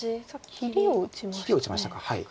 切りを打ちましたか。